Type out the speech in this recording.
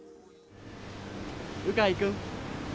鵜飼君。